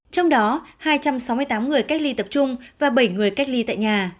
trong đó hai trăm sáu mươi tám người cách ly tập trung và bảy người cách ly tại nhà